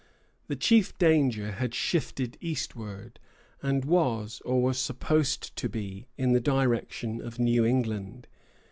The chief danger had shifted eastward, and was, or was supposed to be, in the direction of New England.